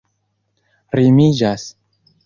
rimiĝas